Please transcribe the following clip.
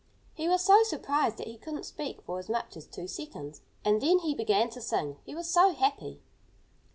He was so surprised that he couldn't speak for as much as two seconds. And then he began to sing he was so happy.